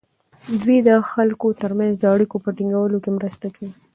دوی د خلکو ترمنځ د اړیکو په ټینګولو کې مرسته کوي.